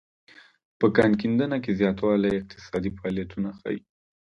په کان کیندنه کې زیاتوالی اقتصادي فعالیتونه ښيي